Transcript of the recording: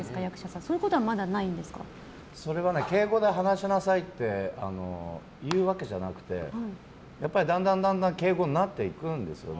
そういうことはそれは、敬語で話しなさいって言うわけじゃなくてやっぱり、だんだん敬語になっていくんですよね。